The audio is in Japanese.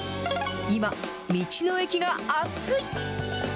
今、道の駅が熱い。